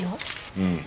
うん。